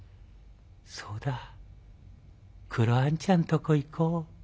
そうだクロあんちゃんとこ行こう」。